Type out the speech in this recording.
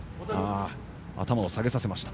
頭を下げさせました。